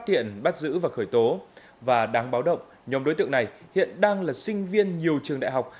thiện bắt giữ và khởi tố và đáng báo động nhóm đối tượng này hiện đang là sinh viên nhiều trường đại học